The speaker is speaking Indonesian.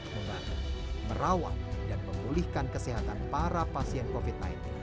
membantu merawat dan memulihkan kesehatan para pasien covid sembilan belas